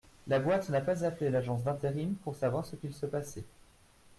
La boîte n’a pas appelé l’agence d’intérim pour savoir ce qu’il se passait.